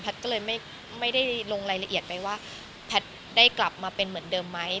ก็เลยไม่ได้ลงรายละเอียดไปว่าแพทย์ได้กลับมาเป็นเหมือนเดิมไหม